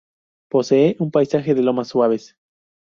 Posee un paisaje de lomas suaves.